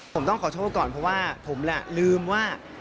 ผมต้องขอโทษก่อนเพราะว่าผมแหละลืมว่า